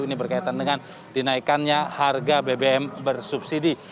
ini berkaitan dengan dinaikannya harga bbm bersubsidi